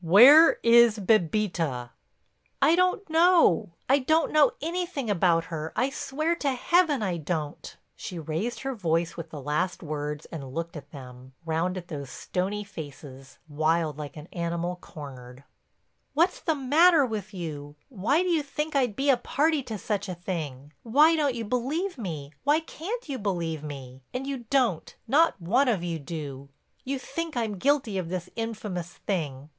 Where is Bébita?" "I don't know—I don't know anything about her. I swear to Heaven I don't." She raised her voice with the last words and looked at them, round at those stony faces, wild like an animal cornered. "What's the matter with you? Why do you think I'd be a party to such a thing? Why don't you believe me—why can't you believe me? And you don't—not one of you. You think I'm guilty of this infamous thing.